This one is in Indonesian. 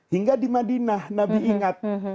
hingga di madinah nabi ingat